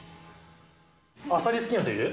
アサリ好きな人いる？